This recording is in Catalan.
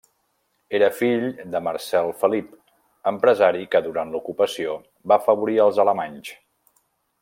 Era fill de Marcel Felip, empresari que durant l'ocupació va afavorir als Alemanys.